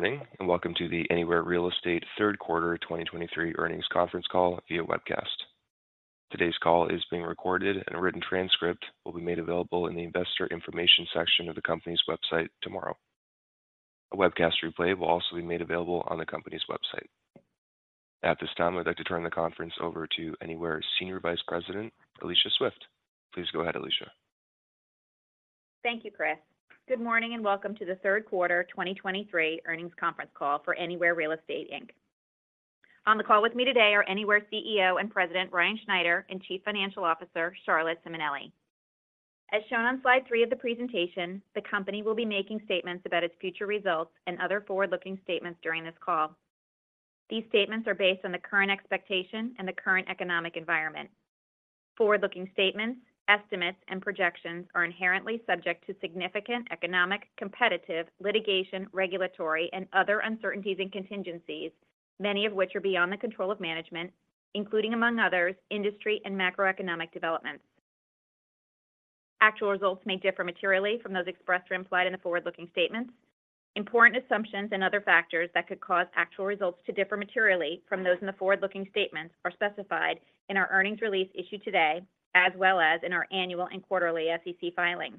`Good morning, and welcome to the Anywhere Real Estate Third Quarter 2023 Earnings Conference Call via webcast. Today's call is being recorded, and a written transcript will be made available in the Investor Information section of the company's website tomorrow. A webcast replay will also be made available on the company's website. At this time, I'd like to turn the conference over to Anywhere Senior Vice President, Alicia Swift. Please go ahead, Alicia. Thank you, Chris. Good morning, and welcome to the third quarter 2023 earnings conference call for Anywhere Real Estate Inc. On the call with me today are Anywhere CEO and President, Ryan Schneider, and Chief Financial Officer, Charlotte Simonelli. As shown on Slide three of the presentation, the company will be making statements about its future results and other forward-looking statements during this call. These statements are based on the current expectation and the current economic environment. Forward-looking statements, estimates, and projections are inherently subject to significant economic, competitive, litigation, regulatory, and other uncertainties and contingencies, many of which are beyond the control of management, including, among others, industry and macroeconomic developments. Actual results may differ materially from those expressed or implied in the forward-looking statements. Important assumptions and other factors that could cause actual results to differ materially from those in the forward-looking statements are specified in our earnings release issued today, as well as in our annual and quarterly SEC filings.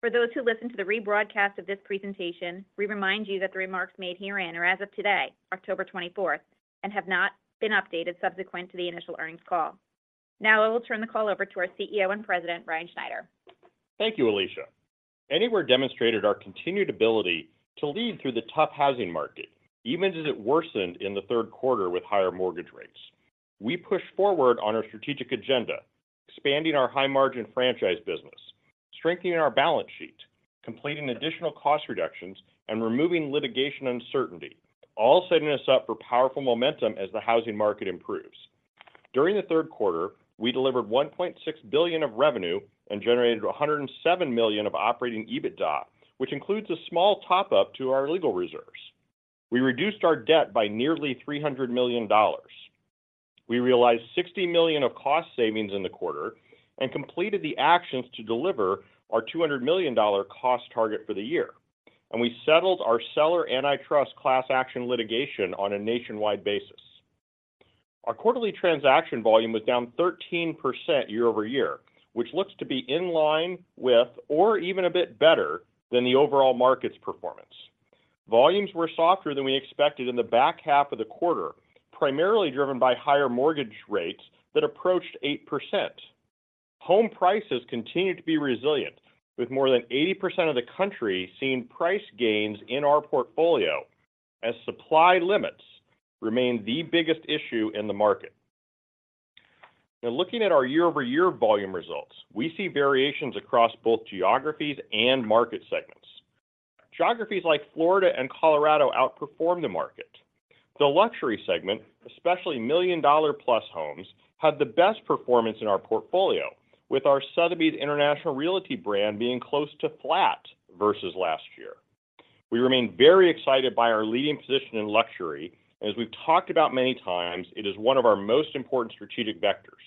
For those who listen to the rebroadcast of this presentation, we remind you that the remarks made herein are as of today, October 24th, and have not been updated subsequent to the initial earnings call. Now, I will turn the call over to our CEO and President, Ryan Schneider. Thank you, Alicia. Anywhere demonstrated our continued ability to lead through the tough housing market, even as it worsened in the third quarter with higher mortgage rates. We pushed forward on our strategic agenda, expanding our high-margin franchise business, strengthening our balance sheet, completing additional cost reductions, and removing litigation uncertainty, all setting us up for powerful momentum as the housing market improves. During the third quarter, we delivered $1.6 billion of revenue and generated $107 million of Operating EBITDA, which includes a small top-up to our legal reserves. We reduced our debt by nearly $300 million. We realized $60 million of cost savings in the quarter and completed the actions to deliver our $200 million cost target for the year, and we settled our seller antitrust class action litigation on a nationwide basis. Our quarterly transaction volume was down 13% year-over-year, which looks to be in line with or even a bit better than the overall market's performance. Volumes were softer than we expected in the back half of the quarter, primarily driven by higher mortgage rates that approached 8%. Home prices continued to be resilient, with more than 80% of the country seeing price gains in our portfolio as supply limits remain the biggest issue in the market. Now, looking at our year-over-year volume results, we see variations across both geographies and market segments. Geographies like Florida and Colorado outperformed the market. The luxury segment, especially million-dollar-plus homes, had the best performance in our portfolio, with our Sotheby's International Realty brand being close to flat versus last year. We remain very excited by our leading position in luxury, and as we've talked about many times, it is one of our most important strategic vectors.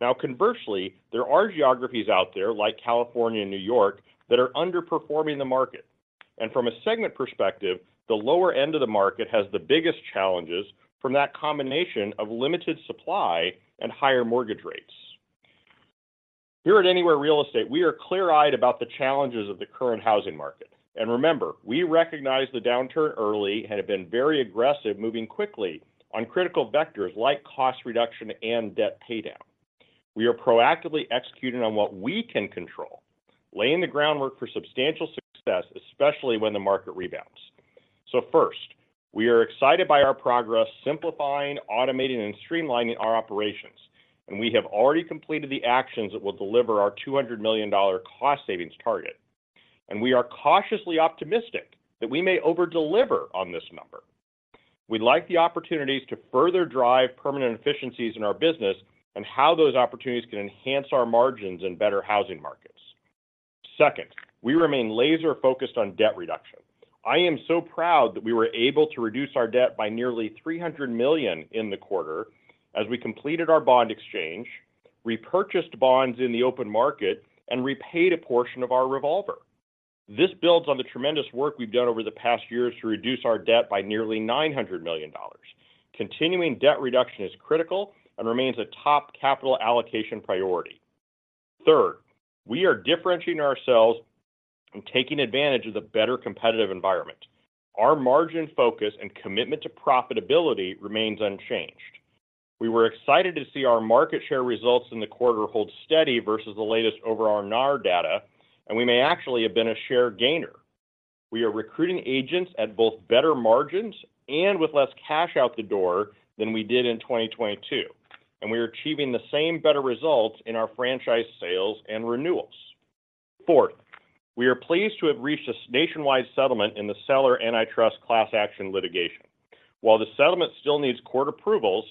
Now, conversely, there are geographies out there, like California and New York, that are underperforming the market. From a segment perspective, the lower end of the market has the biggest challenges from that combination of limited supply and higher mortgage rates. Here at Anywhere Real Estate, we are clear-eyed about the challenges of the current housing market. Remember, we recognized the downturn early and have been very aggressive, moving quickly on critical vectors like cost reduction and debt paydown. We are proactively executing on what we can control, laying the groundwork for substantial success, especially when the market rebounds. First, we are excited by our progress, simplifying, automating, and streamlining our operations, and we have already completed the actions that will deliver our $200 million cost savings target. We are cautiously optimistic that we may over-deliver on this number. We'd like the opportunities to further drive permanent efficiencies in our business and how those opportunities can enhance our margins in better housing markets. Second, we remain laser-focused on debt reduction. I am so proud that we were able to reduce our debt by nearly $300 million in the quarter as we completed our bond exchange, repurchased bonds in the open market, and repaid a portion of our revolver. This builds on the tremendous work we've done over the past years to reduce our debt by nearly $900 million. Continuing debt reduction is critical and remains a top capital allocation priority. Third, we are differentiating ourselves and taking advantage of the better competitive environment. Our margin focus and commitment to profitability remains unchanged. We were excited to see our market share results in the quarter hold steady versus the latest overall NAR data, and we may actually have been a share gainer. We are recruiting agents at both better margins and with less cash out the door than we did in 2022, and we are achieving the same better results in our franchise sales and renewals. Fourth, we are pleased to have reached a nationwide settlement in the Seller Antitrust class action litigation. While the settlement still needs court approvals,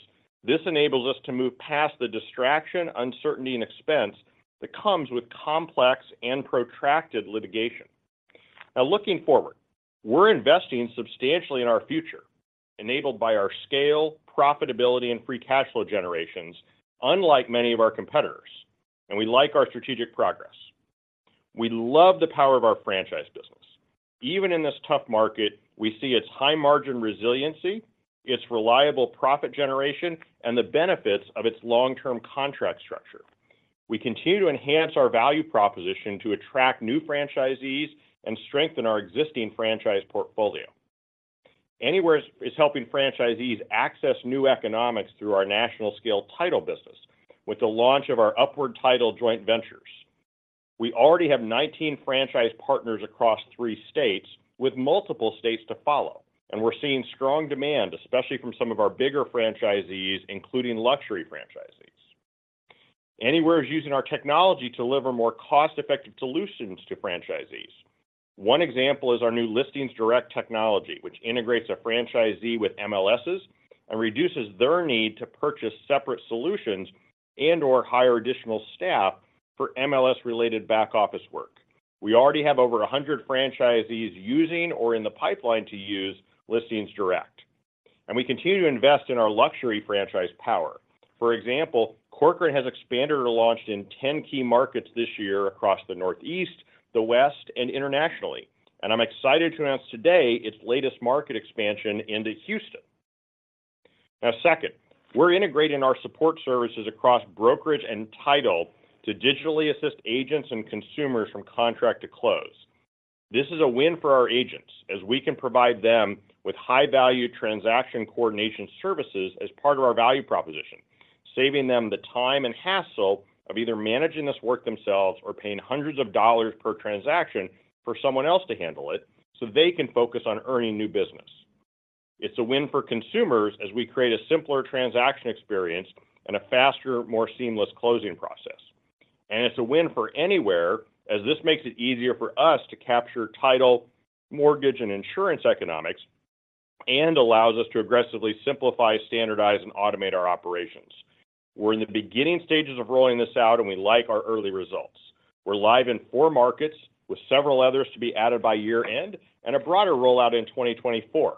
this enables us to move past the distraction, uncertainty, and expense that comes with complex and protracted litigation. Now, looking forward, we're investing substantially in our future, enabled by our scale, profitability, and free cash flow generations, unlike many of our competitors. We like our strategic progress. We love the power of our franchise business. Even in this tough market, we see its high margin resiliency, its reliable profit generation, and the benefits of its long-term contract structure. We continue to enhance our value proposition to attract new franchisees and strengthen our existing franchise portfolio. Anywhere is helping franchisees access new economics through our national scale title business with the launch of our Upward Title joint ventures. We already have 19 franchise partners across three states, with multiple states to follow, and we're seeing strong demand, especially from some of our bigger franchisees, including luxury franchisees. Anywhere is using our technology to deliver more cost-effective solutions to franchisees. One example is our new Listing Direct technology, which integrates a franchisee with MLSs and reduces their need to purchase separate solutions and/or hire additional staff for MLS-related back-office work. We already have over 100 franchisees using or in the pipeline to use Listing Direct, and we continue to invest in our luxury franchise power. For example, Corcoran has expanded or launched in 10 key markets this year across the Northeast, the West, and internationally. I'm excited to announce today its latest market expansion into Houston. Now, second, we're integrating our support services across brokerage and title to digitally assist agents and consumers from contract to close. This is a win for our agents, as we can provide them with high-value transaction coordination services as part of our value proposition, saving them the time and hassle of either managing this work themselves or paying hundreds of dollars per transaction for someone else to handle it, so they can focus on earning new business. It's a win for consumers as we create a simpler transaction experience and a faster, more seamless closing process. It's a win for Anywhere, as this makes it easier for us to capture title, mortgage, and insurance economics and allows us to aggressively simplify, standardize, and automate our operations. We're in the beginning stages of rolling this out, and we like our early results. We're live in four markets, with several others to be added by year-end and a broader rollout in 2024.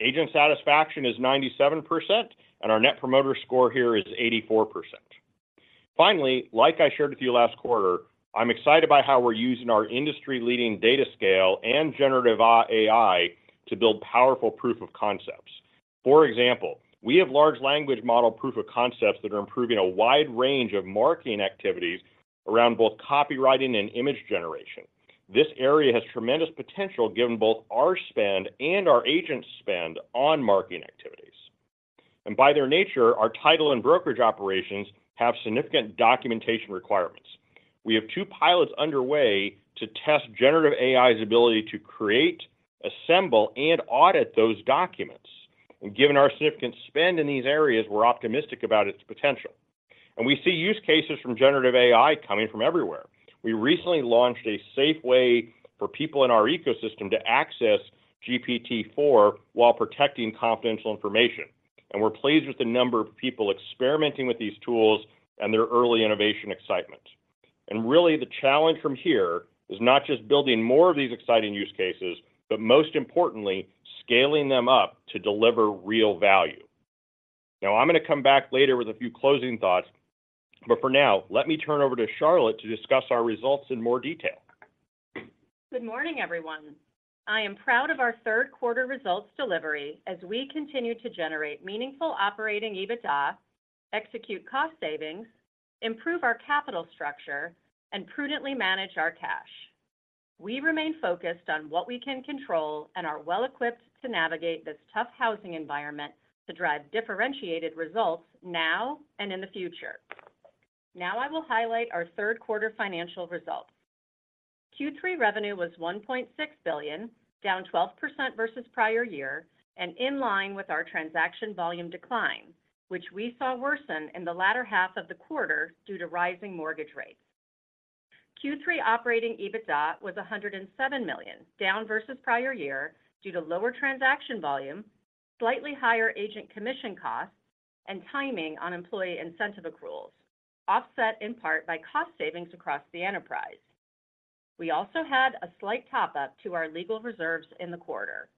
Agent satisfaction is 97%, and our Net Promoter Score here is 84%. Finally, like I shared with you last quarter, I'm excited by how we're using our industry-leading data scale and generative AI to build powerful proof of concepts. For example, we have large language model proof of concepts that are improving a wide range of marketing activities around both copywriting and image generation. This area has tremendous potential given both our spend and our agents' spend on marketing activities. And by their nature, our title and brokerage operations have significant documentation requirements. We have two pilots underway to test generative AI's ability to create, assemble, and audit those documents. And given our significant spend in these areas, we're optimistic about its potential, and we see use cases from generative AI coming from everywhere. We recently launched a safe way for people in our ecosystem to access GPT-4 while protecting confidential information. We're pleased with the number of people experimenting with these tools and their early innovation excitement. Really, the challenge from here is not just building more of these exciting use cases, but most importantly, scaling them up to deliver real value. Now, I'm gonna come back later with a few closing thoughts, but for now, let me turn over to Charlotte to discuss our results in more detail. Good morning, everyone. I am proud of our third quarter results delivery as we continue to generate meaningful Operating EBITDA, execute cost savings, improve our capital structure, and prudently manage our cash. We remain focused on what we can control and are well-equipped to navigate this tough housing environment to drive differentiated results now and in the future. Now, I will highlight our third quarter financial results. Q3 revenue was $1.6 billion, down 12% versus prior year and in line with our transaction volume decline, which we saw worsen in the latter half of the quarter due to rising mortgage rates. Q3 Operating EBITDA was $107 million, down versus prior year due to lower transaction volume, slightly higher agent commission costs, and timing on employee incentive accruals, offset in part by cost savings across the enterprise. We also had a slight top-up to our legal reserves in the quarter.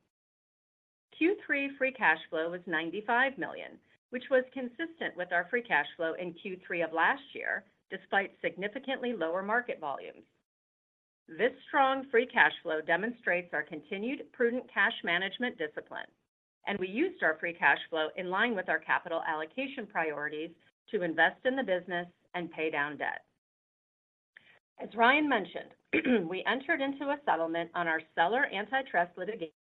Q3 free cash flow was $95 million, which was consistent with our free cash flow in Q3 of last year, despite significantly lower market volumes. This strong free cash flow demonstrates our continued prudent cash management discipline, and we used our free cash flow in line with our capital allocation priorities to invest in the business and pay down debt. As Ryan mentioned, we entered into a settlement on our seller antitrust litigation-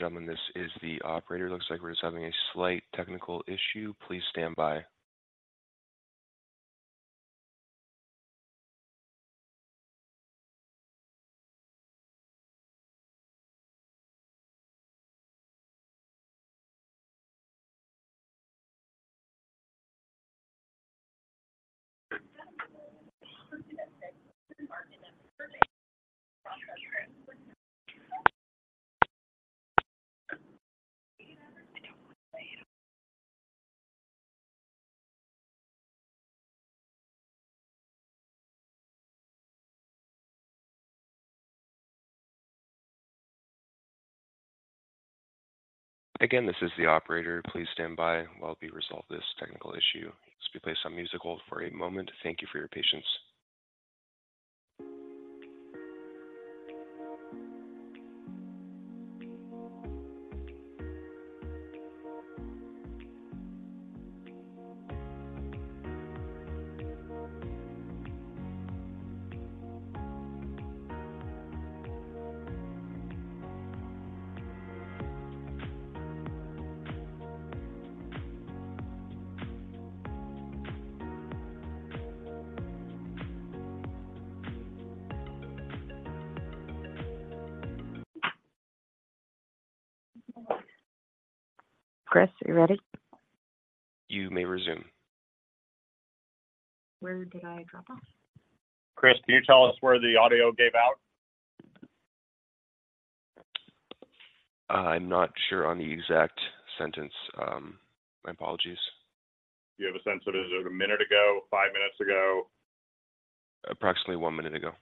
Ladies and gentlemen, this is the operator. Looks like we're just having a slight technical issue. Please stand by. Again, this is the operator. Please stand by while we resolve this technical issue. Let's be placed on musical hold for a moment. Thank you for your patience. Chris, are you ready? You may resume. Where did I drop off? Chris, can you tell us where the audio gave out? I'm not sure on the exact sentence. My apologies. Do you have a sense of it? Is it a minute ago, five minutes ago? Approximately one minute ago.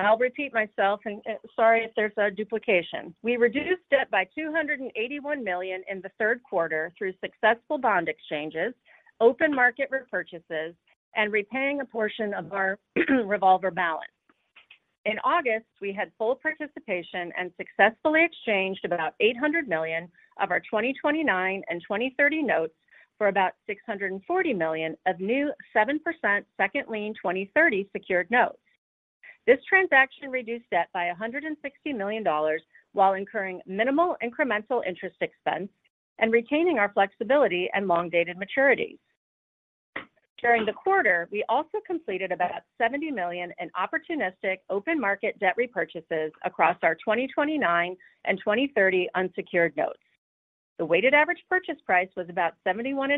I'll repeat myself, and sorry if there's a duplication. We reduced debt by $281 million in the third quarter through successful bond exchanges, open market repurchases, and repaying a portion of our revolver balance. In August, we had full participation and successfully exchanged about $800 million of our 2029 and 2030 notes for about $640 million of new 7% second lien 2030 secured notes. This transaction reduced debt by $160 million while incurring minimal incremental interest expense and retaining our flexibility and long-dated maturities. During the quarter, we also completed about $70 million in opportunistic open market debt repurchases across our 2029 and 2030 unsecured notes. The weighted average purchase price was about 71.5,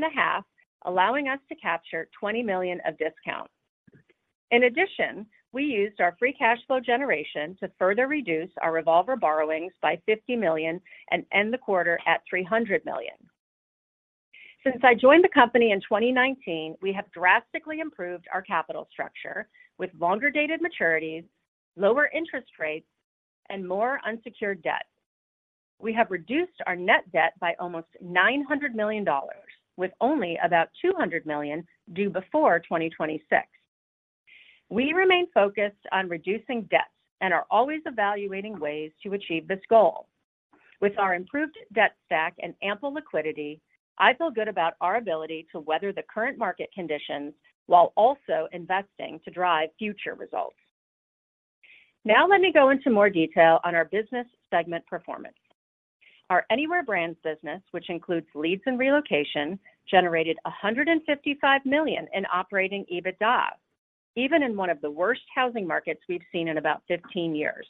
allowing us to capture $20 million of discount. In addition, we used our free cash flow generation to further reduce our revolver borrowings by $50 million and end the quarter at $300 million. Since I joined the company in 2019, we have drastically improved our capital structure with longer-dated maturities, lower interest rates, and more unsecured debt. We have reduced our net debt by almost $900 million, with only about $200 million due before 2026. We remain focused on reducing debt and are always evaluating ways to achieve this goal. With our improved debt stack and ample liquidity, I feel good about our ability to weather the current market conditions while also investing to drive future results. Now, let me go into more detail on our business segment performance. Our Anywhere Brands business, which includes leads and relocation, generated $155 million in Operating EBITDA, even in one of the worst housing markets we've seen in about 15 years.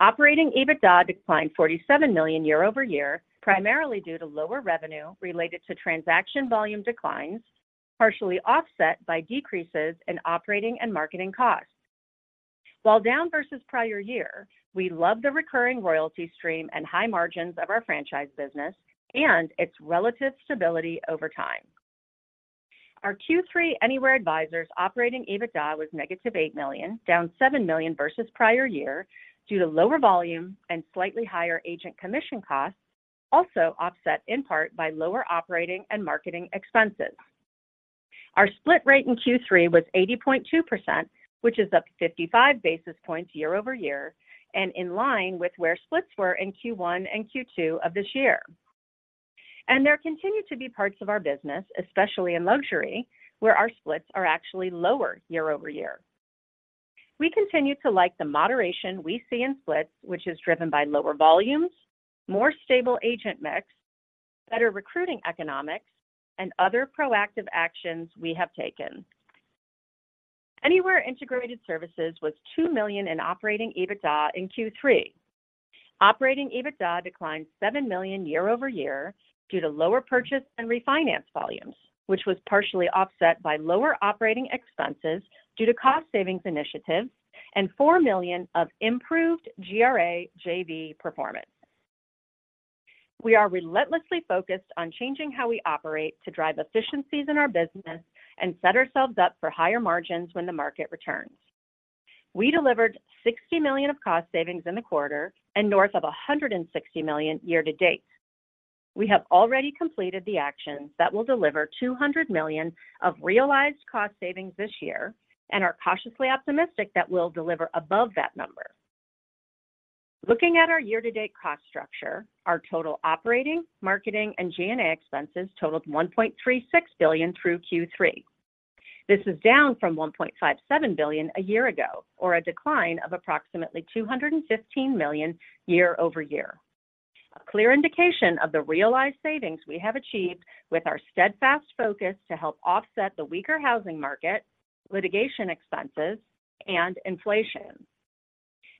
Operating EBITDA declined $47 million year-over-year, primarily due to lower revenue related to transaction volume declines, partially offset by decreases in operating and marketing costs. While down versus prior year, we love the recurring royalty stream and high margins of our franchise business and its relative stability over time. Our Q3 Anywhere Advisors Operating EBITDA was negative $8 million, down $7 million versus prior year, due to lower volume and slightly higher agent commission costs, also offset in part by lower operating and marketing expenses. Our split rate in Q3 was 80.2%, which is up 55 basis points year-over-year and in line with where splits were in Q1 and Q2 of this year. And there continue to be parts of our business, especially in luxury, where our splits are actually lower year-over-year. We continue to like the moderation we see in splits, which is driven by lower volumes, more stable agent mix, better recruiting economics, and other proactive actions we have taken. Anywhere Integrated Services was $2 million in Operating EBITDA in Q3. Operating EBITDA declined $7 million year-over-year due to lower purchase and refinance volumes, which was partially offset by lower operating expenses due to cost savings initiatives and $4 million of improved GRA JV performance. We are relentlessly focused on changing how we operate to drive efficiencies in our business and set ourselves up for higher margins when the market returns. We delivered $60 million of cost savings in the quarter and north of $160 million year to date. We have already completed the actions that will deliver $200 million of realized cost savings this year and are cautiously optimistic that we'll deliver above that number. Looking at our year-to-date cost structure, our total operating, marketing, and G&A expenses totaled $1.36 billion through Q3. This is down from $1.57 billion a year ago, or a decline of approximately $215 million year-over-year. A clear indication of the realized savings we have achieved with our steadfast focus to help offset the weaker housing market, litigation expenses, and inflation.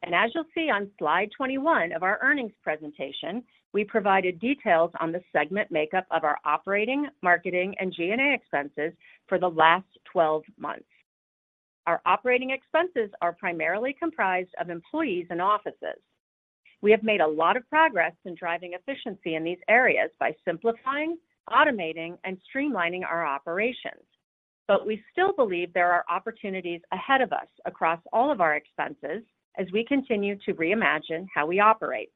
As you'll see on slide 21 of our earnings presentation, we provided details on the segment makeup of our operating, marketing, and G&A expenses for the last 12 months. Our operating expenses are primarily comprised of employees and offices. We have made a lot of progress in driving efficiency in these areas by simplifying, automating, and streamlining our operations, but we still believe there are opportunities ahead of us across all of our expenses as we continue to reimagine how we operate.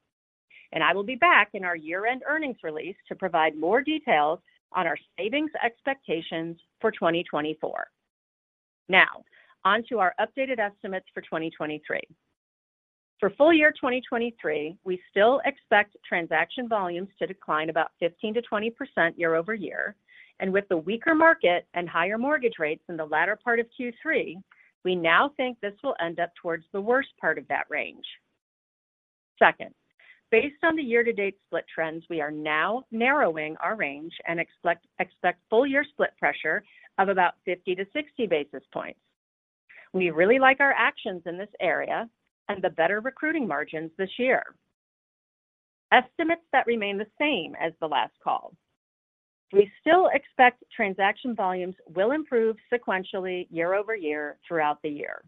I will be back in our year-end earnings release to provide more details on our savings expectations for 2024. Now, onto our updated estimates for 2023. For full year 2023, we still expect transaction volumes to decline about 15%-20% year-over-year, and with the weaker market and higher mortgage rates in the latter part of Q3, we now think this will end up towards the worst part of that range. Second, based on the year-to-date split trends, we are now narrowing our range and expect, expect full year split pressure of about 50-60 basis points. We really like our actions in this area and the better recruiting margins this year. Estimates that remain the same as the last call. We still expect transaction volumes will improve sequentially year-over-year throughout the year.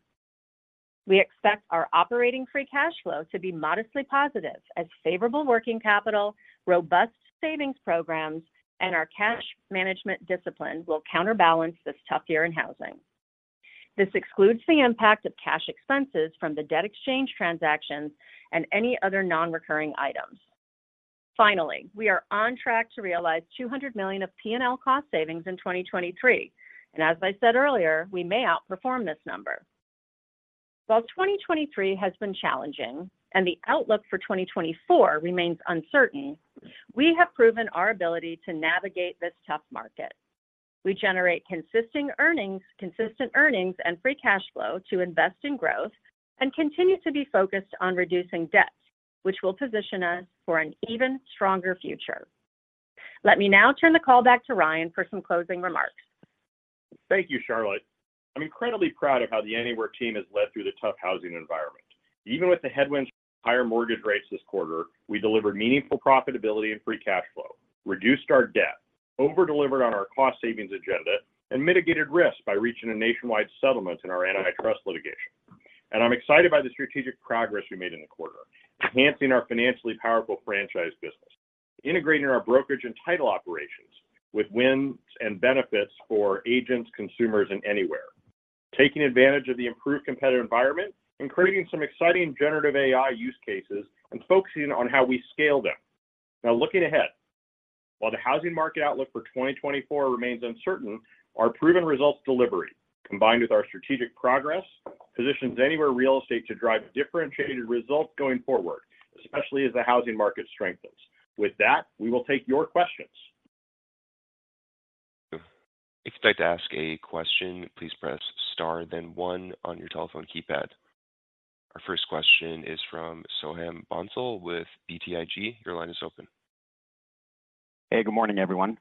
We expect our operating free cash flow to be modestly positive as favorable working capital, robust savings programs, and our cash management discipline will counterbalance this tough year in housing. This excludes the impact of cash expenses from the debt exchange transactions and any other non-recurring items. Finally, we are on track to realize $200 million of P&L cost savings in 2023, and as I said earlier, we may outperform this number. While 2023 has been challenging and the outlook for 2024 remains uncertain, we have proven our ability to navigate this tough market. We generate consistent earnings and free cash flow to invest in growth and continue to be focused on reducing debt, which will position us for an even stronger future. Let me now turn the call back to Ryan for some closing remarks. Thank you, Charlotte. I'm incredibly proud of how the Anywhere team has led through the tough housing environment. Even with the headwinds of higher mortgage rates this quarter, we delivered meaningful profitability and free cash flow, reduced our debt, over-delivered on our cost savings agenda, and mitigated risk by reaching a nationwide settlement in our antitrust litigation. I'm excited by the strategic progress we made in the quarter, enhancing our financially powerful franchise business, integrating our brokerage and title operations with wins and benefits for agents, consumers, and Anywhere. Taking advantage of the improved competitive environment and creating some exciting generative AI use cases and focusing on how we scale them. Now, looking ahead, while the housing market outlook for 2024 remains uncertain, our proven results delivery, combined with our strategic progress, positions Anywhere Real Estate to drive differentiated results going forward, especially as the housing market strengthens. With that, we will take your questions. If you'd like to ask a question, please press star then one on your telephone keypad. Our first question is from Soham Bhonsle with BTIG. Your line is open. Hey, good morning, everyone.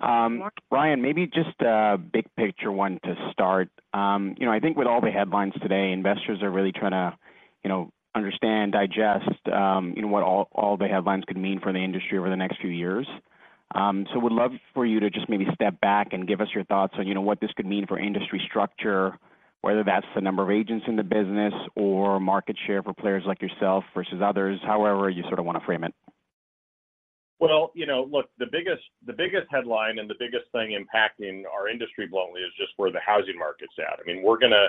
Ryan, maybe just a big picture one to start. You know, I think with all the headlines today, investors are really trying to, you know, understand, digest, you know, what all the headlines could mean for the industry over the next few years. So would love for you to just maybe step back and give us your thoughts on, you know, what this could mean for industry structure, whether that's the number of agents in the business or market share for players like yourself versus others, however you sort of want to frame it. Well, you know, look, the biggest, the biggest headline and the biggest thing impacting our industry bluntly is just where the housing market's at. I mean, we're gonna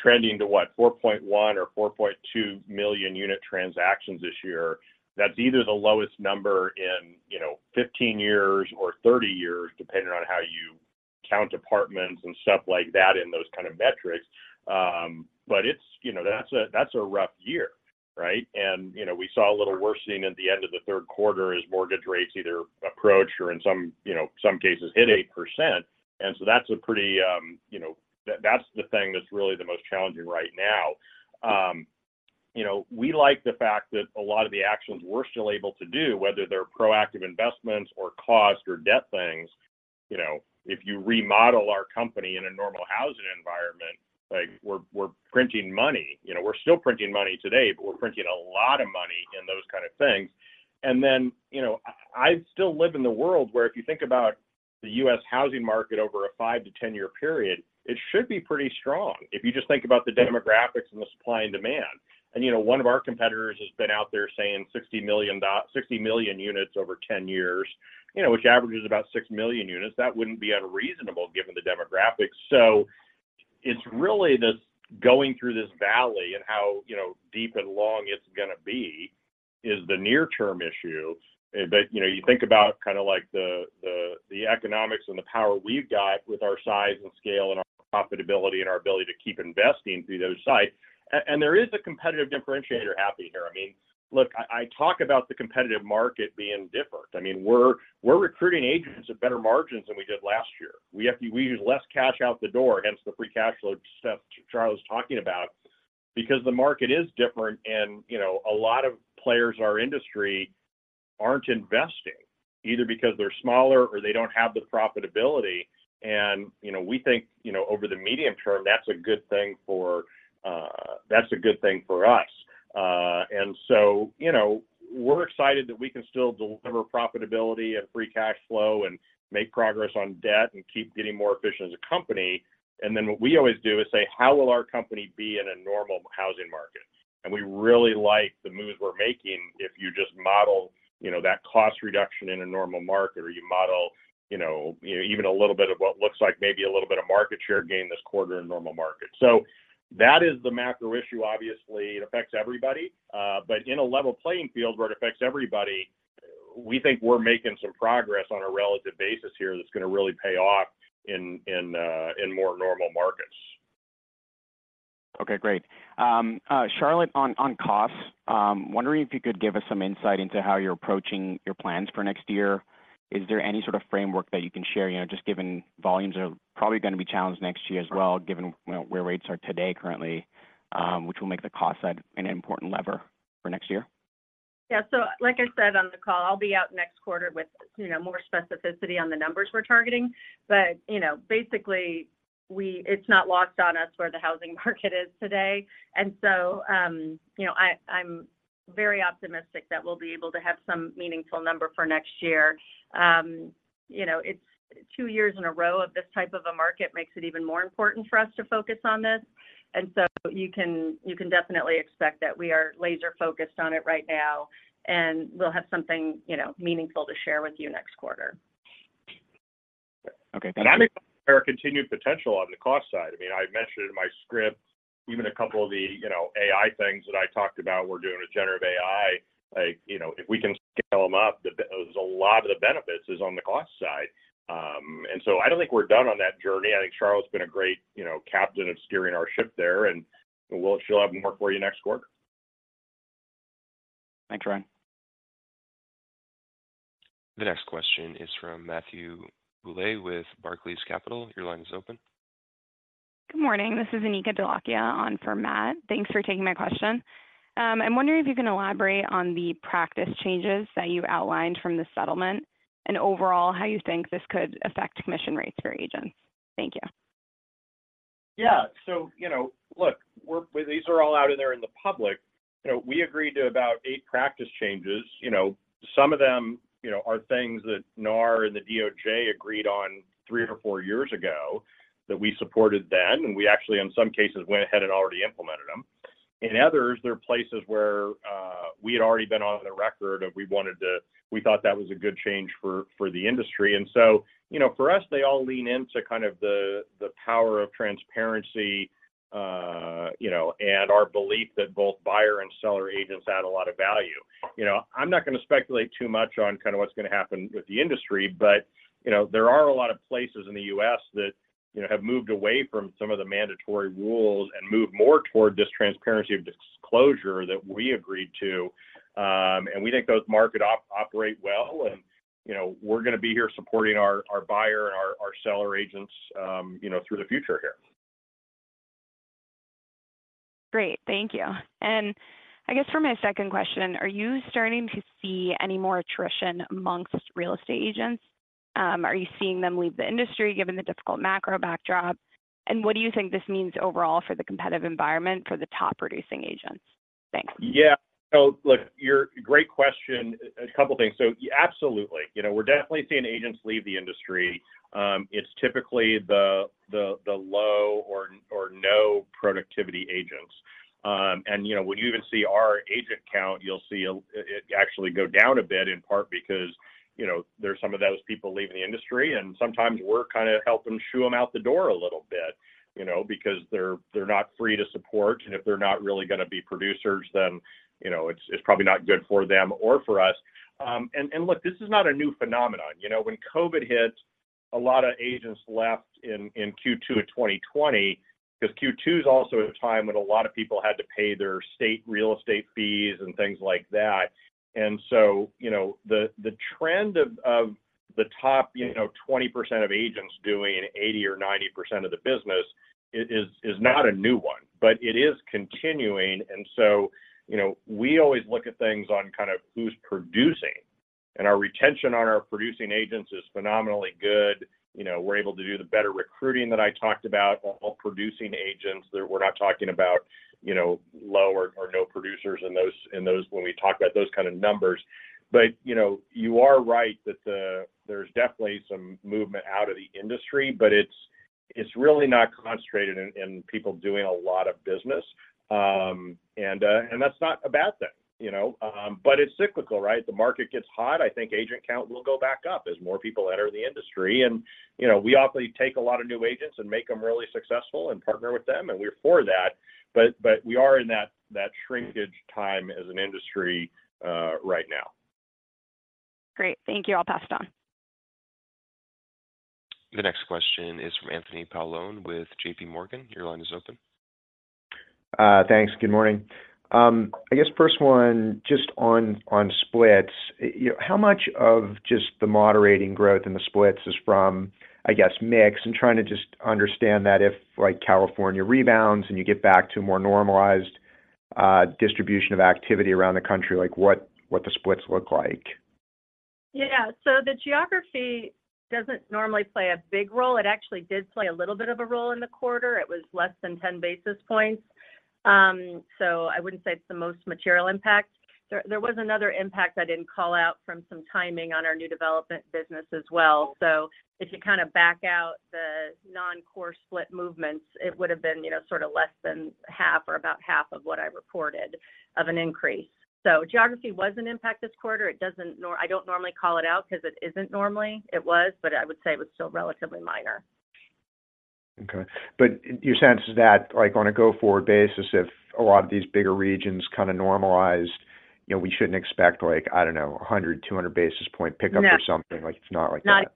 trending to what? 4.1 or 4.2 million unit transactions this year. That's either the lowest number in, you know, 15 years or 30 years, depending on how you count apartments and stuff like that in those kind of metrics. But it's, you know, that's a, that's a rough year, right? And, you know, we saw a little worsening at the end of the third quarter as mortgage rates either approached or in some, you know, some cases hit 8%. And so that's a pretty, you know, that's the thing that's really the most challenging right now. You know, we like the fact that a lot of the actions we're still able to do, whether they're proactive investments or cost or debt things, you know, if you remodel our company in a normal housing environment, like we're, we're printing money. You know, we're still printing money today, but we're printing a lot of money in those kind of things. And then, you know, I still live in the world where if you think about the U.S. housing market over a 5- to 10-year period, it should be pretty strong. If you just think about the demographics and the supply and demand. And, you know, one of our competitors has been out there saying 60 million units over 10 years, you know, which averages about 6 million units. That wouldn't be unreasonable, given the demographics. So it's really this going through this valley and how, you know, deep and long it's going to be is the near-term issue. But, you know, you think about kind of like the economics and the power we've got with our size and scale and our profitability and our ability to keep investing through those times. And there is a competitive differentiator happening here. I mean, look, I talk about the competitive market being different. I mean, we're recruiting agents at better margins than we did last year. We have to use less cash out the door, hence the free cash flow stuff Charlotte talking about, because the market is different and, you know, a lot of players in our industry aren't investing, either because they're smaller or they don't have the profitability. You know, we think, you know, over the medium term, that's a good thing for, that's a good thing for us. And so, you know, we're excited that we can still deliver profitability and free cash flow and make progress on debt and keep getting more efficient as a company. And then what we always do is say: How will our company be in a normal housing market? And we really like the moves we're making, if you just model, you know, that cost reduction in a normal market, or you model, you know, even a little bit of what looks like maybe a little bit of market share gain this quarter in a normal market. So that is the macro issue. Obviously, it affects everybody. But in a level playing field where it affects everybody, we think we're making some progress on a relative basis here that's going to really pay off in more normal markets. Okay, great. Charlotte, on costs, wondering if you could give us some insight into how you're approaching your plans for next year. Is there any sort of framework that you can share? You know, just given volumes are probably going to be challenged next year as well, given, you know, where rates are today currently, which will make the cost side an important lever for next year. Yeah. So like I said on the call, I'll be out next quarter with, you know, more specificity on the numbers we're targeting. But, you know, basically, it's not lost on us where the housing market is today. And so, you know, I'm very optimistic that we'll be able to have some meaningful number for next year. You know, it's two years in a row of this type of a market makes it even more important for us to focus on this, and so you can definitely expect that we are laser-focused on it right now, and we'll have something, you know, meaningful to share with you next quarter. Okay, thank you. I think there are continued potential on the cost side. I mean, I mentioned in my script, even a couple of the, you know, AI things that I talked about, we're doing with generative AI. Like, you know, if we can scale them up, the, there's a lot of the benefits is on the cost side. And so I don't think we're done on that journey. I think Charlotte's been a great, you know, captain of steering our ship there, and we'll, she'll have more for you next quarter. Thanks, Ryan. The next question is from Matthew Bouley with Barclays Capital. Your line is open. Good morning. This is Anika Dholakia on for Matt. Thanks for taking my question. I'm wondering if you can elaborate on the practice changes that you've outlined from the settlement and overall, how you think this could affect commission rates for agents? Thank you. Yeah. So, you know, look, we're these are all out there in the public. You know, we agreed to about eight practice changes. You know, some of them, you know, are things that NAR and the DOJ agreed on three or four years ago that we supported then, and we actually, in some cases, went ahead and already implemented them. In others, there are places where we had already been on the record of we wanted to we thought that was a good change for the industry. And so, you know, for us, they all lean into kind of the power of transparency, you know, and our belief that both buyer and seller agents add a lot of value. You know, I'm not going to speculate too much on kind of what's going to happen with the industry, but, you know, there are a lot of places in the U.S. that, you know, have moved away from some of the mandatory rules and moved more toward this transparency of disclosure that we agreed to. And we think those markets operate well, and, you know, we're going to be here supporting our buyer and our seller agents, you know, through the future here. Great. Thank you. I guess for my second question, are you starting to see any more attrition among real estate agents? Are you seeing them leave the industry, given the difficult macro backdrop? And what do you think this means overall for the competitive environment for the top-producing agents? Thanks. Yeah. So look, you're great question. A couple of things. So absolutely. You know, we're definitely seeing agents leave the industry. It's typically the low or no productivity agents. And you know, when you even see our agent count, you'll see it actually go down a bit, in part because, you know, there are some of those people leaving the industry, and sometimes we're kind of helping shoo them out the door a little bit, you know, because they're not free to support. And if they're not really going to be producers, then, you know, it's probably not good for them or for us. And look, this is not a new phenomenon. You know, when COVID hit, a lot of agents left in Q2 of 2020, because Q2 is also a time when a lot of people had to pay their state real estate fees and things like that. You know, the trend of the top, you know, 20% of agents doing 80% or 90% of the business is not a new one, but it is continuing. You know, we always look at things on kind of who's producing, and our retention on our producing agents is phenomenally good. You know, we're able to do the better recruiting that I talked about on all producing agents. We're not talking about, you know, low or no producers in those when we talk about those kind of numbers. But, you know, you are right that there's definitely some movement out of the industry, but it's really not concentrated in people doing a lot of business. And that's not a bad thing, you know? But it's cyclical, right? The market gets hot. I think agent count will go back up as more people enter the industry. And, you know, we awfully take a lot of new agents and make them really successful and partner with them, and we're for that. But we are in that shrinkage time as an industry, right now. Great. Thank you. I'll pass it on. The next question is from Anthony Paolone with JPMorgan. Your line is open. Thanks. Good morning. I guess first one, just on splits, you know, how much of just the moderating growth in the splits is from, I guess, mix? I'm trying to just understand that if, like, California rebounds and you get back to a more normalized distribution of activity around the country, like what the splits look like. Yeah, so the geography doesn't normally play a big role. It actually did play a little bit of a role in the quarter. It was less than 10 basis points. So I wouldn't say it's the most material impact. There was another impact I didn't call out from some timing on our new development business as well. So if you kind of back out the non-core split movements, it would have been, you know, sort of less than half or about half of what I reported of an increase. So geography was an impact this quarter. It doesn't nor- I don't normally call it out because it isn't normally. It was, but I would say it was still relatively minor. Okay, but your sense is that, like, on a go-forward basis, if a lot of these bigger regions kind of normalized, you know, we shouldn't expect like, I don't know, 100-200 basis point pickup or something like, it's not like that.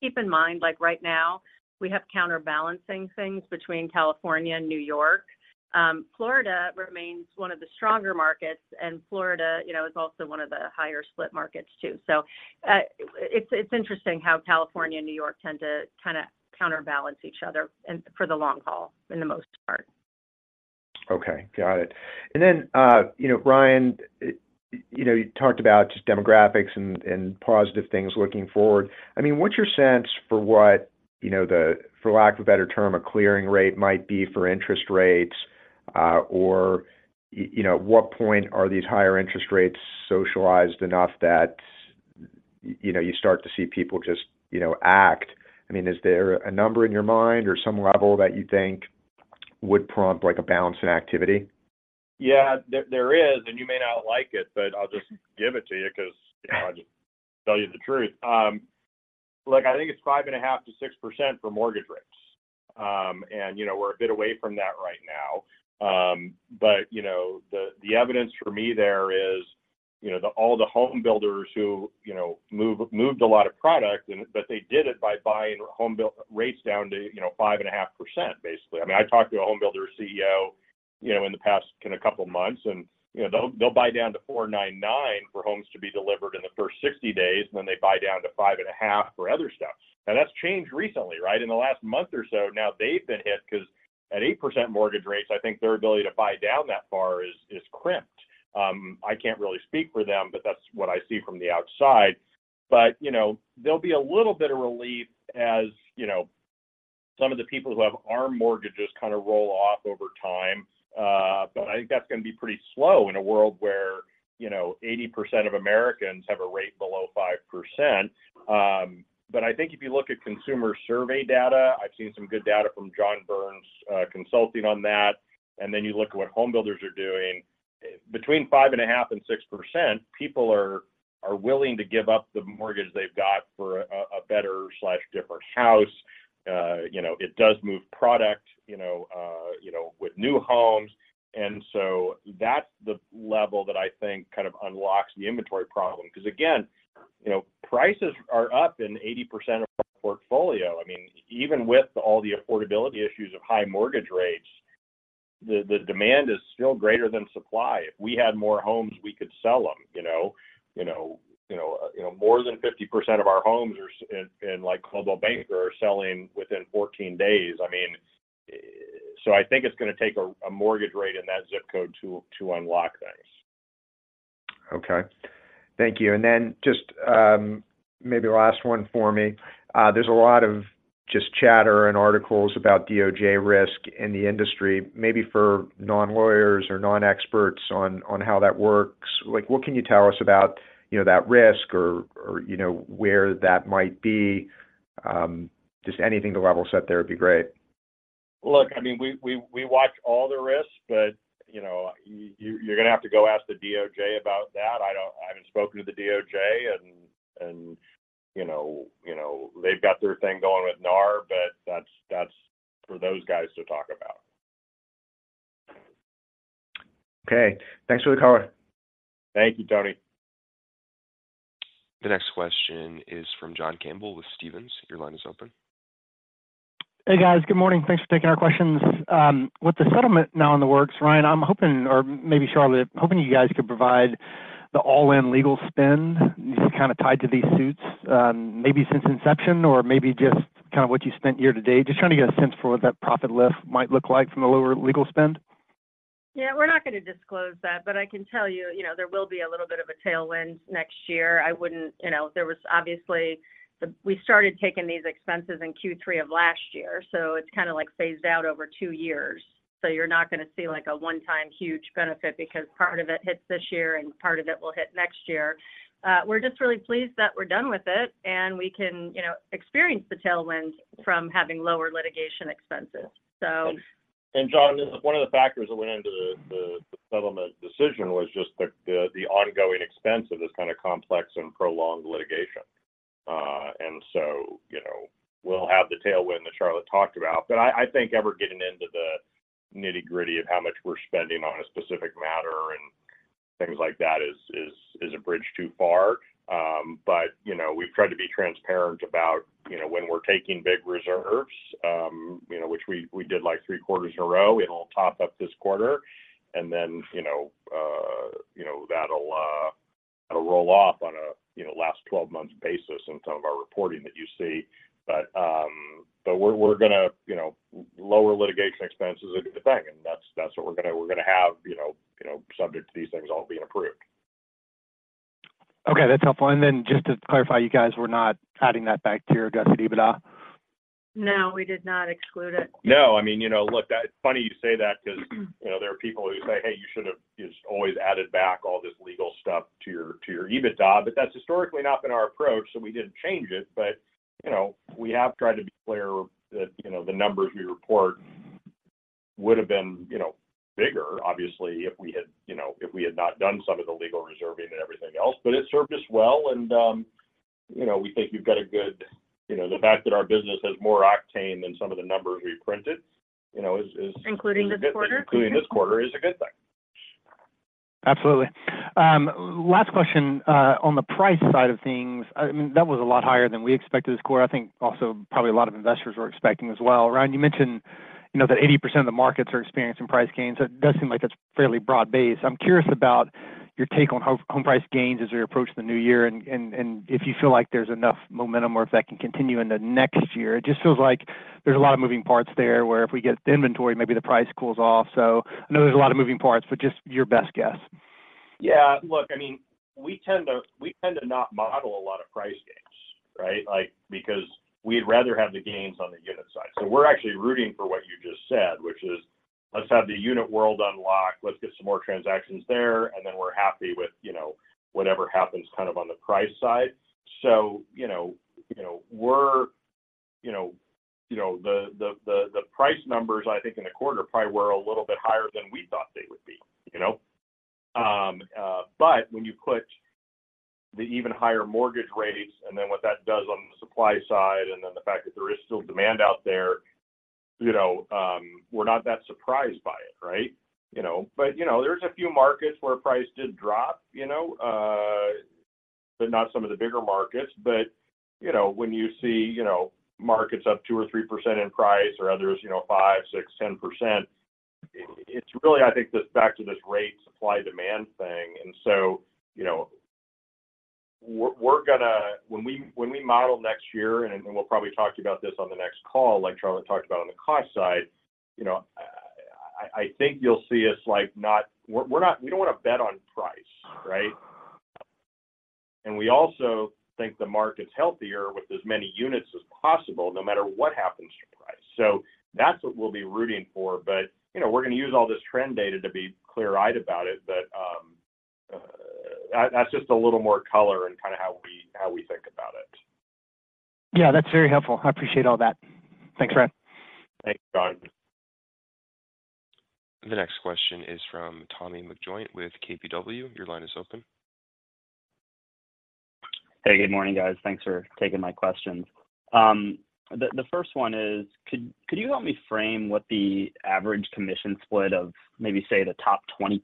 Keep in mind, like, right now, we have counterbalancing things between California and New York. Florida remains one of the stronger markets, and Florida, you know, is also one of the higher split markets, too. So, it's interesting how California and New York tend to kind of counterbalance each other and for the long haul in the most part. Okay, got it. And then, you know, Ryan, you know, you talked about just demographics and, and positive things looking forward. I mean, what's your sense for what, you know, the, for lack of a better term, a clearing rate might be for interest rates, or you know, at what point are these higher interest rates socialized enough that, you know, you start to see people just, you know, act? I mean, is there a number in your mind or some level that you think would prompt, like, a balance in activity? Yeah, there is, and you may not like it, but I'll just give it to you because, you know, I just tell you the truth. Look, I think it's 5.5%-6% for mortgage rates. And, you know, we're a bit away from that right now. But, you know, the evidence for me there is, you know, all the home builders who, you know, moved a lot of product and but they did it by buying home built rates down to, you know, 5.5%, basically. I mean, I talked to a home builder CEO, you know, in the past, in a couple of months, and, you know, they'll, they'll buy down to 4.99% for homes to be delivered in the first 60 days, and then they buy down to 5.5% for other stuff. Now, that's changed recently, right? In the last month or so, now they've been hit because at 8% mortgage rates, I think their ability to buy down that far is, is crimped. I can't really speak for them, but that's what I see from the outside. But, you know, there'll be a little bit of relief, as, you know, some of the people who have ARM mortgages kind of roll off over time. But I think that's going to be pretty slow in a world where, you know, 80% of Americans have a rate below 5%. But I think if you look at consumer survey data, I've seen some good data from John Burns Consulting on that, and then you look at what home builders are doing. Between 5.5% and 6%, people are willing to give up the mortgage they've got for a better/different house. You know, it does move product, you know, with new homes. And so that's the level that I think kind of unlocks the inventory problem, because, again, you know, prices are up in 80% of our portfolio. I mean, even with all the affordability issues of high mortgage rates, the demand is still greater than supply. If we had more homes, we could sell them, you know, you know, you know, you know, more than 50% of our homes are selling in, like, Coldwell Banker, within 14 days. I mean, so I think it's going to take a mortgage rate in that zip code to unlock things. Okay. Thank you. And then just, maybe last one for me. There's a lot of just chatter and articles about DOJ risk in the industry, maybe for non-lawyers or non-experts on how that works. Like, what can you tell us about, you know, that risk or, you know, where that might be? Just anything to level set there would be great. Look, I mean, we watch all the risks, but you know, you're going to have to go ask the DOJ about that. I don't. I haven't spoken to the DOJ and you know, they've got their thing going with NAR, but that's for those guys to talk about. Okay. Thanks for the call. Thank you, Tony. The next question is from John Campbell with Stephens. Your line is open. Hey, guys. Good morning. Thanks for taking our questions. With the settlement now in the works, Ryan, I'm hoping, or maybe Charlotte, hoping you guys could provide the all-in legal spend just kind of tied to these suits, maybe since inception or maybe just kind of what you spent year to date. Just trying to get a sense for what that profit lift might look like from a lower legal spend. Yeah, we're not going to disclose that, but I can tell you, you know, there will be a little bit of a tailwind next year. I wouldn't, you know, there was obviously... We started taking these expenses in Q3 of last year, so it's kind of, like, phased out over two years. So you're not going to see, like, a one-time huge benefit because part of it hits this year and part of it will hit next year. We're just really pleased that we're done with it, and we can, you know, experience the tailwind from having lower litigation expenses, so. And, John, one of the factors that went into the ongoing expense of this kind of complex and prolonged litigation. And so, you know, we'll have the tailwind that Charlotte talked about, but I think ever getting into the nitty-gritty of how much we're spending on a specific matter and things like that is a bridge too far. But, you know, we've tried to be transparent about, you know, when we're taking big reserves, you know, which we did like 3 quarters in a row, and we'll top up this quarter, and then, you know, that'll roll off on a, you know, last 12 months basis in some of our reporting that you see. But we're going to, you know, lower litigation expenses are good thing, and that's what we're gonna have, you know, subject to these things all being approved. Okay, that's helpful. And then just to clarify, you guys were not adding that back to your adjusted EBITDA? No, we did not exclude it. No, I mean, you know, look, that, it's funny you say that because, you know, there are people who say, "Hey, you should have just always added back all this legal stuff to your, to your EBITDA." But that's historically not been our approach, so we didn't change it. But, you know, we have tried to be clear that, you know, the numbers we report would have been, you know, bigger, obviously, if we had, you know, if we had not done some of the legal reserving and everything else. But it served us well, and, you know, we think we've got a good, you know, the fact that our business has more octane than some of the numbers we printed, you know, is. Including this quarter? Including this quarter, is a good thing. Absolutely. Last question, on the price side of things, I mean, that was a lot higher than we expected this quarter. I think also probably a lot of investors were expecting as well. Ryan, you mentioned, you know, that 80% of the markets are experiencing price gains. So it does seem like it's fairly broad-based. I'm curious about your take on how home price gains as we approach the new year, and, and, and if you feel like there's enough momentum or if that can continue into next year. It just feels like there's a lot of moving parts there, where if we get the inventory, maybe the price cools off. So I know there's a lot of moving parts, but just your best guess. Yeah, look, I mean, we tend to, we tend to not model a lot of price gains, right? Like, because we'd rather have the gains on the unit side. So we're actually rooting for what you just said, which is, "Let's have the unit world unlock. Let's get some more transactions there, and then we're happy with, you know, whatever happens kind of on the price side." So you know, you know, we're... You know, you know, the price numbers, I think, in the quarter probably were a little bit higher than we thought they would be, you know? But when you put the even higher mortgage rates and then what that does on the supply side, and then the fact that there is still demand out there, you know, we're not that surprised by it, right? You know, but, you know, there's a few markets where price did drop, you know, but not some of the bigger markets. But, you know, when you see, you know, markets up 2 or 3% in price or others, you know, 5, 6, 10%, it's really, I think, this back to this rate supply-demand thing. And so, you know, we're, we're gonna... When we, when we model next year, and, and we'll probably talk to you about this on the next call, like Charlotte talked about on the cost side, you know, I, I think you'll see us, like, not we don't want to bet on price, right? And we also think the market's healthier with as many units as possible, no matter what happens to price. So that's what we'll be rooting for. You know, we're going to use all this trend data to be clear-eyed about it. That's just a little more color in kind of how we think about it. Yeah, that's very helpful. I appreciate all that. Thanks, Ryan. Thanks, John. The next question is from Tommy McJoynt with KBW. Your line is open. Hey, good morning, guys. Thanks for taking my questions. The first one is, could you help me frame what the average commission split of maybe, say, the top 20%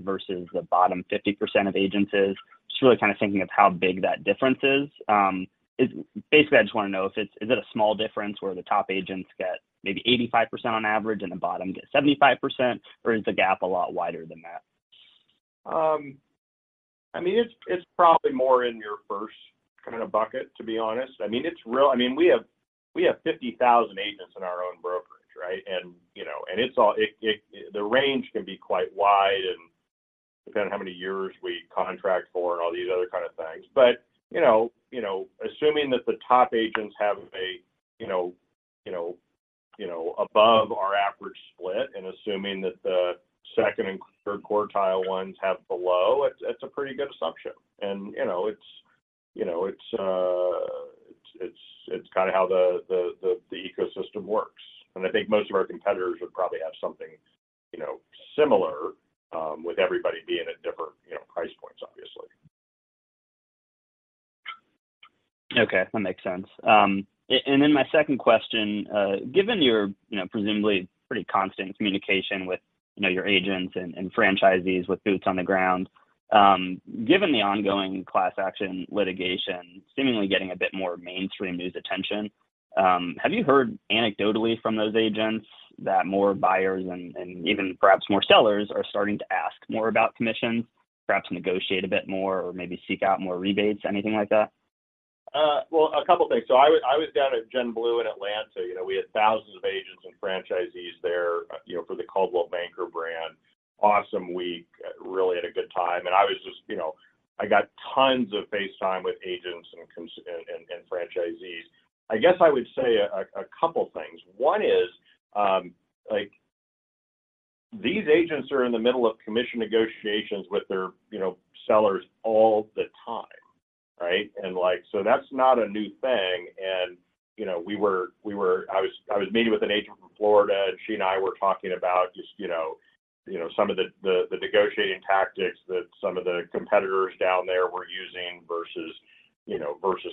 versus the bottom 50% of agents is? Just really kind of thinking of how big that difference is. Basically, I just want to know if it's, is it a small difference, where the top agents get maybe 85% on average and the bottom get 75%, or is the gap a lot wider than that? I mean, it's probably more in your first kind of bucket, to be honest. I mean, it's real. I mean, we have 50,000 agents in our own brokerage, right? And you know, it's all, the range can be quite wide and depending on how many years we contract for and all these other kind of things. But you know, assuming that the top agents have a you know above our average split, and assuming that the second and third quartile ones have below, it's a pretty good assumption. And you know, it's kind of how the ecosystem works. And I think most of our competitors would probably have something you know similar with everybody being at different you know price points, obviously. Okay, that makes sense. And then my second question, given your, you know, presumably pretty constant communication with, you know, your agents and franchisees with boots on the ground, given the ongoing class action litigation seemingly getting a bit more mainstream news attention, have you heard anecdotally from those agents that more buyers and even perhaps more sellers are starting to ask more about commissions, perhaps negotiate a bit more or maybe seek out more rebates, anything like that? Well, a couple of things. So I was down at Gen Blue in Atlanta. You know, we had thousands of agents and franchisees there, you know, for the Coldwell Banker brand. Awesome week, really had a good time. And I was just, you know, I got tons of face time with agents and franchisees. I guess I would say a couple of things. One is, like, these agents are in the middle of commission negotiations with their, you know, sellers all the time, right? And, like, so that's not a new thing. And, you know, I was meeting with an agent from Florida, and she and I were talking about just, you know, some of the negotiating tactics that some of the competitors down there were using versus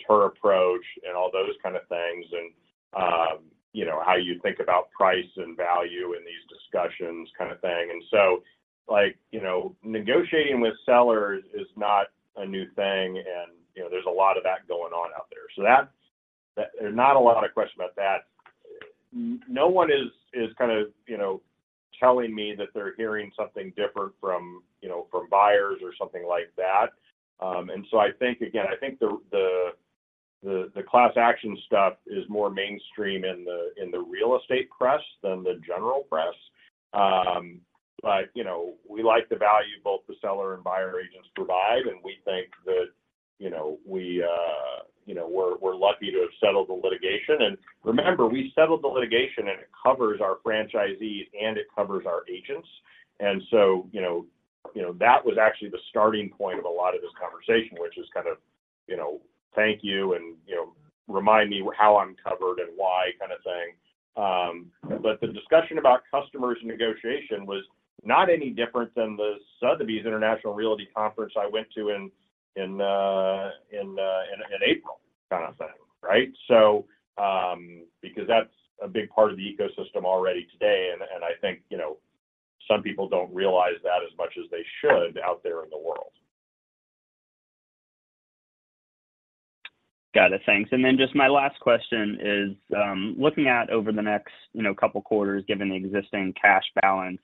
her approach and all those kind of things, and, you know, how you think about price and value in these discussions kind of thing. And so, like, you know, negotiating with sellers is not a new thing, and, you know, there's a lot of that going on out there. So that. There's not a lot of question about that. No one is kind of, you know, telling me that they're hearing something different from, you know, from buyers or something like that. And so I think, again, the class action stuff is more mainstream in the real estate press than the general press. But, you know, we like the value both the seller and buyer agents provide, and we think that, you know, we're lucky to have settled the litigation. And remember, we settled the litigation, and it covers our franchisees, and it covers our agents. And so, you know, that was actually the starting point of a lot of this conversation, which is kind of, you know, thank you, and, you know, remind me how I'm covered and why kind of thing. But the discussion about customers negotiation was not any different than the Sotheby's International Realty conference I went to in April, kind of thing, right? Because that's a big part of the ecosystem already today, and I think, you know, some people don't realize that as much as they should out there in the world. Got it. Thanks. And then just my last question is, looking at over the next, you know, couple quarters, given the existing cash balance,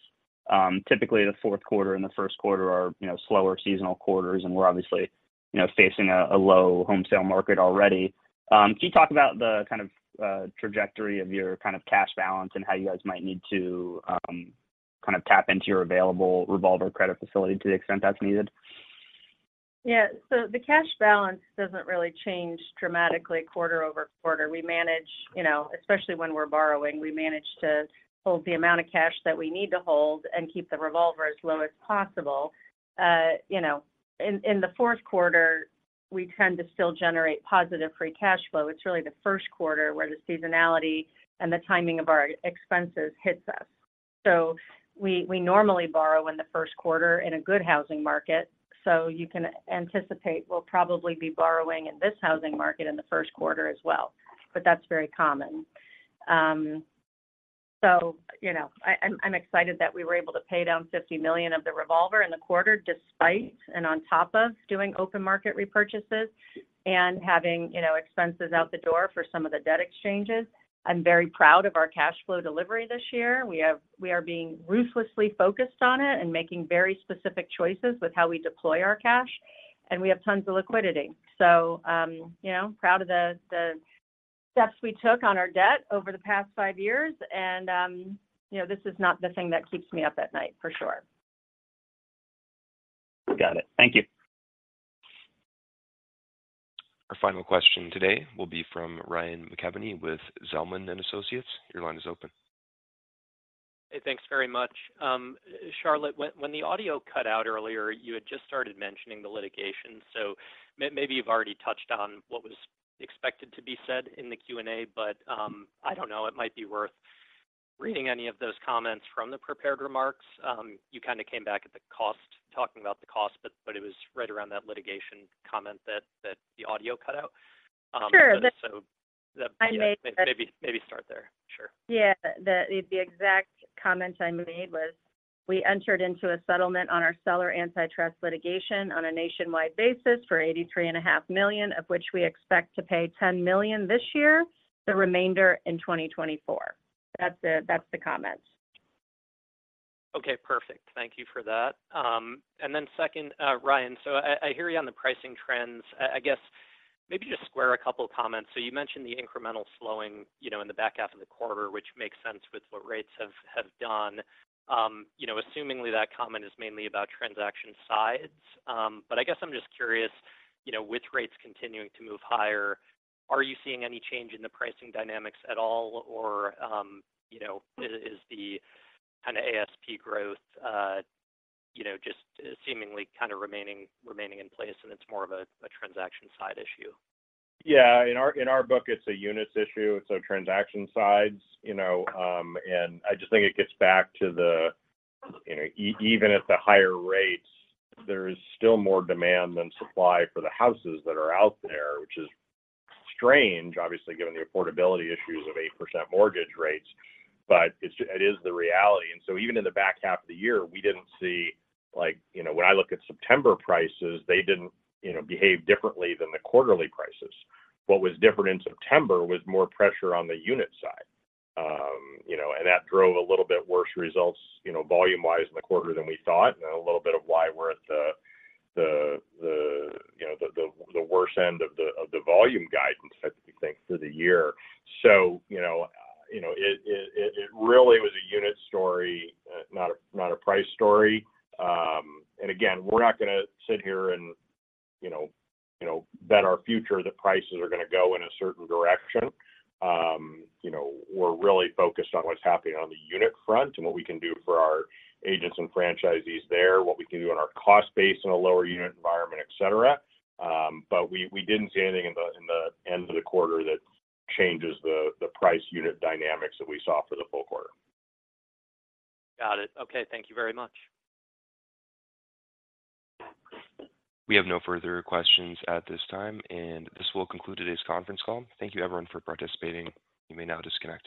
typically the fourth quarter and the first quarter are, you know, slower seasonal quarters, and we're obviously, you know, facing a low home sale market already. Can you talk about the kind of trajectory of your kind of cash balance and how you guys might need to kind of tap into your available revolver credit facility to the extent that's needed? Yeah. So the cash balance doesn't really change dramatically quarter over quarter. We manage, you know, especially when we're borrowing, we manage to hold the amount of cash that we need to hold and keep the revolver as low as possible. You know, in the fourth quarter, we tend to still generate positive free cash flow. It's really the first quarter where the seasonality and the timing of our expenses hits us. So we, we normally borrow in the first quarter in a good housing market, so you can anticipate we'll probably be borrowing in this housing market in the first quarter as well, but that's very common. So, you know, I'm excited that we were able to pay down $50 million of the revolver in the quarter, despite and on top of doing open market repurchases and having, you know, expenses out the door for some of the debt exchanges. I'm very proud of our cash flow delivery this year. We are being ruthlessly focused on it and making very specific choices with how we deploy our cash, and we have tons of liquidity. So, you know, proud of the steps we took on our debt over the past five years and, you know, this is not the thing that keeps me up at night, for sure. Got it. Thank you. Our final question today will be from Ryan McKeveney with Zelman and Associates. Your line is open. Hey, thanks very much. Charlotte, when the audio cut out earlier, you had just started mentioning the litigation, so maybe you've already touched on what was expected to be said in the Q&A, but I don't know. It might be worth reading any of those comments from the prepared remarks. You kind of came back at the cost, talking about the cost, but it was right around that litigation comment that the audio cut out. Sure. So maybe... I made... Maybe start there. Sure. Yeah. The, the exact comment I made was, "We entered into a settlement on our seller antitrust litigation on a nationwide basis for $83.5 million, of which we expect to pay $10 million this year, the remainder in 2024." That's the, that's the comment. Okay, perfect. Thank you for that. And then second, Ryan, so I hear you on the pricing trends. I guess maybe just square a couple comments. So you mentioned the incremental slowing, you know, in the back half of the quarter, which makes sense with what rates have done. You know, assumingly, that comment is mainly about transaction sides. But I guess I'm just curious, you know, with rates continuing to move higher, are you seeing any change in the pricing dynamics at all, or, you know, is the kind of ASP growth, you know, just seemingly kind of remaining in place, and it's more of a transaction side issue? Yeah. In our, in our book, it's a units issue, so transaction sides, you know. And I just think it gets back to the, you know, even at the higher rates, there is still more demand than supply for the houses that are out there, which is strange, obviously, given the affordability issues of 8% mortgage rates, but it's, it is the reality. And so even in the back half of the year, we didn't see, like you know, when I look at September prices, they didn't, you know, behave differently than the quarterly prices. What was different in September was more pressure on the unit side. You know, and that drove a little bit worse results, you know, volume-wise in the quarter than we thought, and a little bit of why we're at the worse end of the volume guidance, I think, for the year. So, you know, it really was a unit story, not a price story. And again, we're not gonna sit here and, you know, bet our future that prices are gonna go in a certain direction. You know, we're really focused on what's happening on the unit front and what we can do for our agents and franchisees there, what we can do on our cost base in a lower unit environment, et cetera. But we didn't see anything in the end of the quarter that changes the price unit dynamics that we saw for the full quarter. Got it. Okay. Thank you very much. We have no further questions at this time, and this will conclude today's conference call. Thank you, everyone, for participating. You may now disconnect.